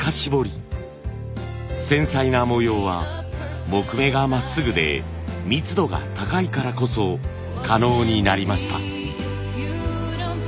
繊細な模様は木目がまっすぐで密度が高いからこそ可能になりました。